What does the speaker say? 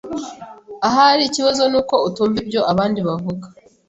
Ahari ikibazo nuko utumva ibyo abandi bavuga.